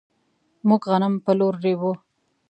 موږ غنم په لور ريبو.